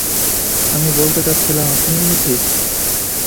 আমি বলতে চাচ্ছিলাম আপনিই ঠিক।